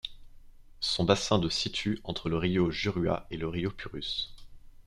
Son bassin de situe entre le rio Juruá et le rio Purus.